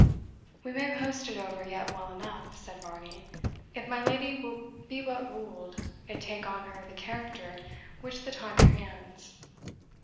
"We may post it over yet well enough," said Varney, "if my lady will be but ruled, and take on her the character which the time commands."